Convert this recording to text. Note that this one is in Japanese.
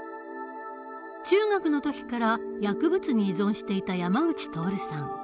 中学の時から薬物に依存していた山口徹さん。